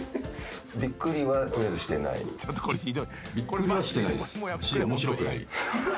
びっくりはしてないです。